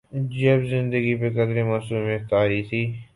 جب زندگی پہ قدرے معصومیت طاری تھی۔